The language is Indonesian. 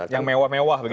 yang mewah mewah begitu